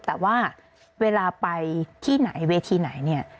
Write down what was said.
แต่ว่าเวลาไปที่ไหนเวทีไหนเนี่ย